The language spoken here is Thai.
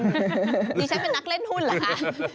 ดิฉันเป็นนักเล่นหุ้นเหรอคะ